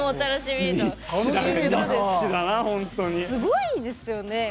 すごいですよね。